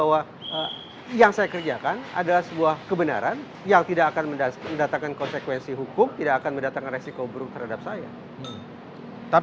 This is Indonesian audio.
dan lagi lagi mereka merasa bahwa yang saya kerjakan adalah sebuah kebenaran yang tidak akan mendatangkan konsekuensi hukum tidak akan mendatangkan resiko buruk terhadap saya